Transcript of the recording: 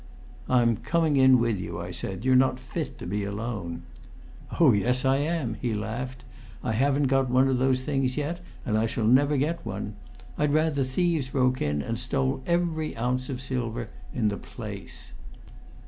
"I'm coming in with you," I said. "You're not fit to be alone." "Oh, yes, I am!" he laughed. "I haven't got one of those things yet, and I shall never get one. I'd rather thieves broke in and stole every ounce of silver in the place."